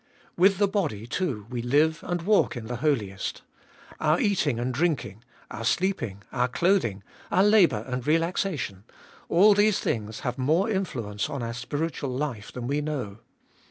With the body, too, we live and walk in the Holiest. Our eating and drinking, our sleeping, our clothing, our labour and relaxation, — all these things have more influence on our spiritual life than we know.